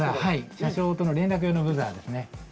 車掌との連絡用のブザーですね。